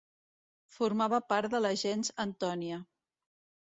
Formava part de la gens Antònia.